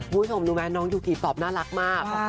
โหผมรู้มั้ยน้องยุกิตอบน่ารักมาก